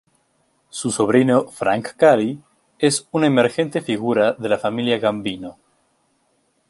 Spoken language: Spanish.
Su sobrino Frank Cali es una emergente figura de la familia Gambino.